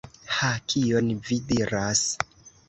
Ha, kion vi diras!